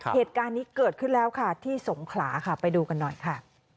เหตุการณ์นี้เกิดขึ้นแล้วค่ะที่สงขลาค่ะไปดูกันหน่อยค่ะ